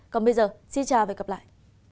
còn bây giờ xin chào và hẹn gặp lại